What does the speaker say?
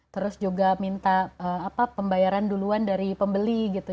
terus juga minta pembayaran duluan dari pembeli gitu